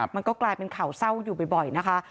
มันก็กลายเป็นข่าวเศร้าอยู่บ่อยนะคะ